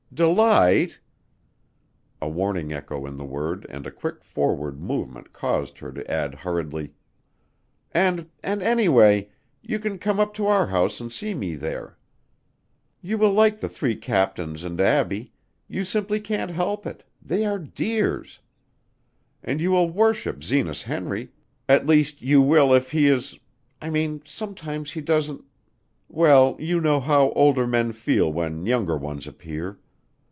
"Delight!" A warning echo in the word and a quick forward movement caused her to add hurriedly: "And and anyway, you can come up to our house and see me there. You will like the three captains and Abbie, you simply can't help it; they are dears! And you will worship Zenas Henry at least you will if he is I mean sometimes he doesn't well, you know how older men feel when younger ones appear.